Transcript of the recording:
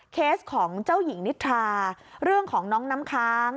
เคสของเจ้าหญิงนิทราเรื่องของน้องน้ำค้าง